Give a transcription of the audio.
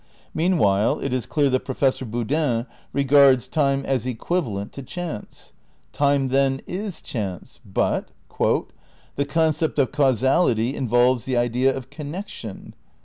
Meanwhile it is clear that Pro fessor Boodin regards time as equivalent to chance. Time, then, is chance. But "The concept of causality involves the idea of connection."